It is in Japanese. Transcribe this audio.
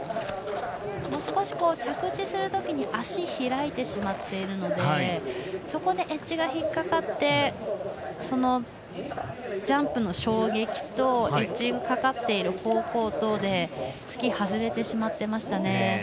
少し着地するときに足を開いてしまっているのでそこでエッジが引っかかってそのジャンプの衝撃とエッジがかかっている方向とでスキーが外れてしまっていました。